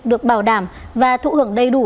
được bảo đảm và thụ hưởng đầy đủ